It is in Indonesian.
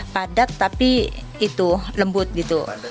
padat tapi itu lembut gitu